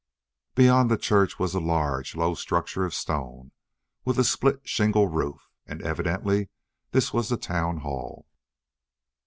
Beyond the church was a large, low structure of stone, with a split shingle roof, and evidently this was the town hall.